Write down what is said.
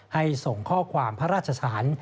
ส่งข้อความพระราชสาร